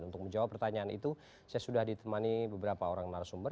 untuk menjawab pertanyaan itu saya sudah ditemani beberapa orang narasumber